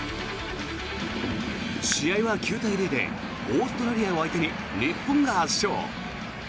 試合は９対０でオーストラリアを相手に日本が圧勝。